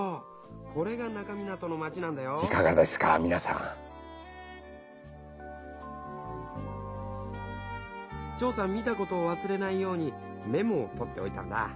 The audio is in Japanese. これが那珂湊の町なんだよチョーさん見たことをわすれないようにメモをとっておいたんだ。